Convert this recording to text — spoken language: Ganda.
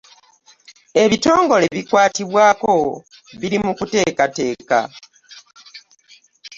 Ebitongole ebikwatibwako biri mu kuteekateeka.